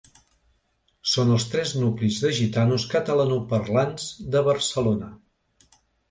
Són els tres nuclis de gitanos catalanoparlants de Barcelona.